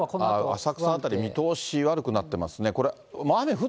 浅草の辺り、見通し悪くなってますね。